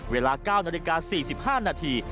เวลา๙นาที๔๕นาที